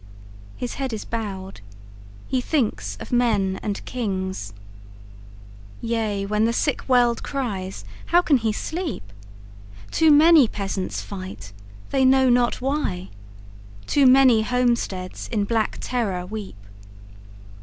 His head is bowed. He thinks of men and kings. Yea, when the sick world cries, how can he sleep? Too many peasants fight, they know not why; Too many homesteads in black terror weep.